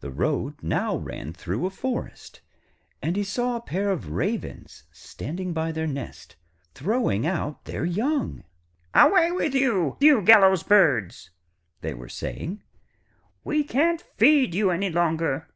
The road now ran through a forest, and he saw a pair of Ravens standing by their nest throwing out their young. 'Away with you, you gallows birds,' they were saying. 'We can't feed you any longer.